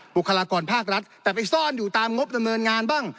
บุคลากรภาครัฐแต่ไปซ่อนอยู่ตามงบดำเนินงานบ้าง